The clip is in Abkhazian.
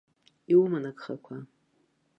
Иуман агхақәа.